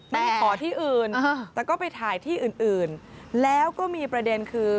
ไปขอที่อื่นแต่ก็ไปถ่ายที่อื่นแล้วก็มีประเด็นคือ